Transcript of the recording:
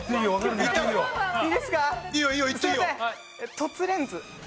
凸レンズ。